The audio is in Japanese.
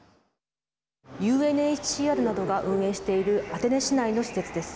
ＵＮＨＣＲなどが運営しているアテネ市内の施設です。